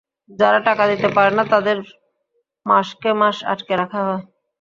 যারা টাকা দিতে পারে না, তাদের মাসকে মাস আটকে রাখা হয়।